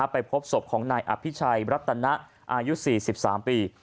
ไปพบศพของนายอภิชัยรัตนะอายุ๔๓ปี